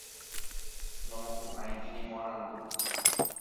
Nomohu'ãi iñemoarandu.